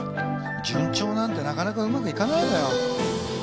順調なんてなかなかうまく行かないのよ。